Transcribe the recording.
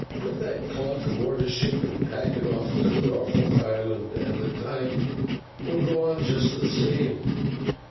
Put that clock aboard a ship an' pack it off to Norfolk Island, an' the time will go on just the same.